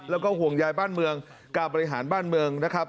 แล้วก็ห่วงใยบ้านเมืองการบริหารบ้านเมืองนะครับ